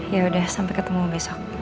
ya udah sampai ketemu besok